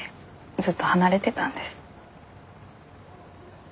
ずっと離れてたんです。